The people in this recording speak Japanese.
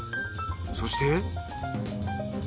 そして。